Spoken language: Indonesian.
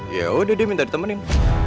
ya udah dia minta ditemenin